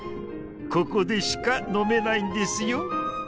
ここでしか飲めないんですよ。